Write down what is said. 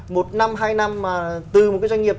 một năm hai năm mà từ một cái doanh nghiệp